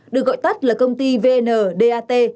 được gọi tắt là công ty vndat